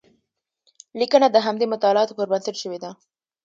لیکنه د همدې مطالعاتو پر بنسټ شوې ده.